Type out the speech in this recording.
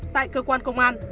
tại cơ quan công an